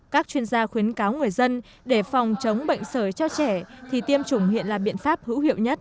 các chuyên gia khuyến cáo người dân để phòng chống bệnh sởi cho trẻ thì tiêm chủng hiện là biện pháp hữu hiệu nhất